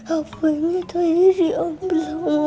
aku gak ada uang lagi